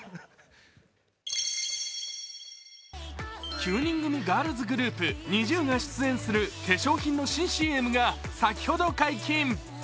９人組ガールズグループ、ＮｉｚｉＵが出演する化粧品の新ＣＭが先ほど解禁。